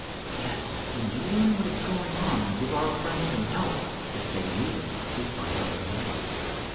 "Yes, we may learn what is going on and give our friends some help, if they need it," replied the airman.